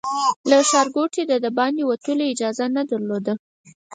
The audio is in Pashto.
له ښارګوټي د باندې وتلو اجازه نه درلوده.